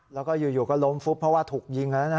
แล้วก็อยู่ก็ล้มฟุบเพราะว่าถูกยิงแล้วนะ